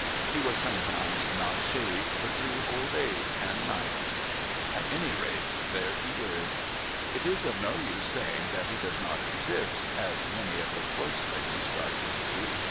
He was sometimes not shaved for three whole days and nights. At any rate, there he is. It is of no use saying that he does not exist, as many of the Close ladies try to do.